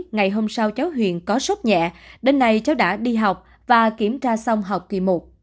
ngày hôm sau cháu huyền có sốc nhẹ đêm nay cháu đã đi học và kiểm tra xong học kỳ một